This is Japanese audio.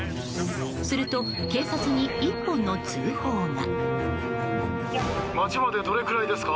すると、警察に一本の通報が。